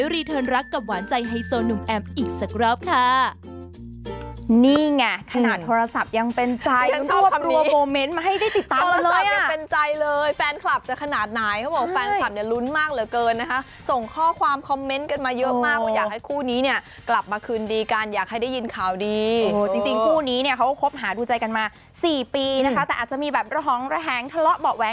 เพื่อรีเทิร์นรักกับหวานใจให้โซนหนุ่มแอบอีกสักรอบค่ะ